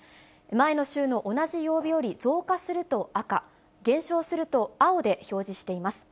前の週の同じ曜日より増加すると赤、減少すると青で表示しています。